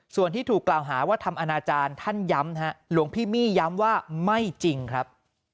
ส่วนที่ถูกกล่าวหาว่าทำอนาจารย์ท่านย้ำหลวงพี่มี่ย้ำว่าไม่จริงครับ